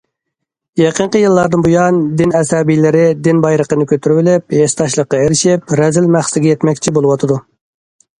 يېقىنقى يىللاردىن بۇيان، دىن ئەسەبىيلىرى دىن بايرىقىنى كۆتۈرۈۋېلىپ، ھېسداشلىققا ئېرىشىپ، رەزىل مەقسىتىگە يەتمەكچى بولۇۋاتىدۇ.